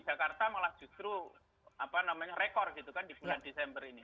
jakarta malah justru apa namanya rekor gitu kan di bulan desember ini